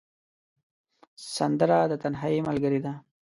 سندره د تنهايي ملګرې ده